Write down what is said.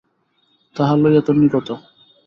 তাহা লইয়া তম্বী কত?